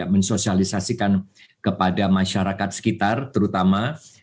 mensosialisasikan kepada masyarakat sekitar terutama